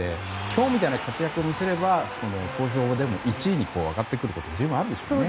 今日みたいな活躍を見せれば投票でも１位に上がってくることは十分あるでしょうね。